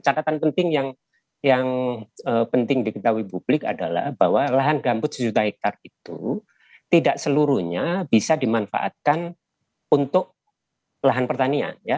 catatan penting yang penting diketahui publik adalah bahwa lahan gambut sejuta hektare itu tidak seluruhnya bisa dimanfaatkan untuk lahan pertanian